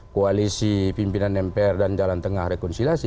koalisi pimpinan mpr dan jalan tengah rekonsiliasi